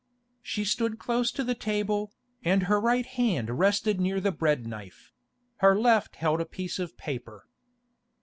She stood close to the table, and her right hand rested near the bread knife; her left held a piece of paper.